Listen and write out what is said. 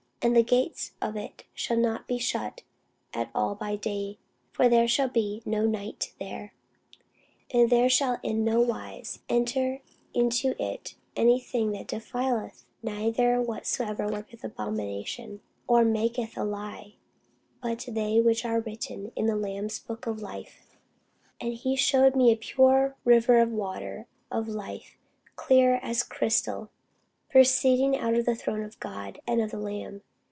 And the gates of it shall not be shut at all by day: for there shall be no night there. And there shall in no wise enter into it any thing that defileth, neither whatsoever worketh abomination, or maketh a lie: but they which are written in the Lamb's book of life. [Sidenote: Rev. 21] And he shewed me a pure river of water of life, clear as crystal, proceeding out of the throne of God and of the Lamb.